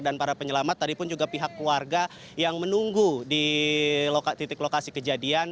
dan para penyelamat tadi pun juga pihak keluarga yang menunggu di titik lokasi kejadian